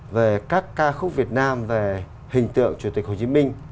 về các ca khúc việt nam về hình tượng chủ tịch hồ chí minh